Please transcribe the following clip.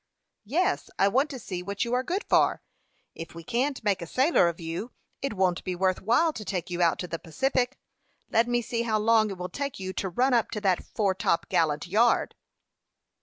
"Yes. I want to see what you are good for. If we can't make a sailor of you, it won't be worth while to take you out to the Pacific. Let me see how long it will take you to run up to that fore top gallant yard."